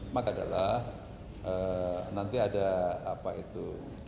maka adalah nanti ada apa itu